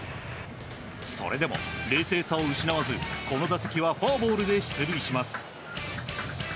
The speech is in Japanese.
それでも冷静さを失わずこの打席はフォアボールで出塁します。